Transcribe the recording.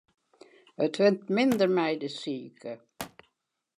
It wurdt minder mei de sike.